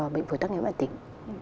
bệnh phổi tắc nhém bệnh tính